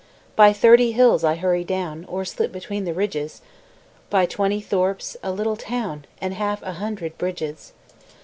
By thirty hills I hurry down, Or slip between the ridges, By twenty thorps, a little town, And half a hundred bridges.